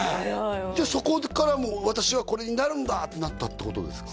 じゃあそこからもう私はこれになるんだってなったってことですか？